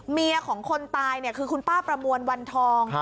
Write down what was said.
เมียของคนตายเนี่ยคือคุณป้าประมวลวันทอง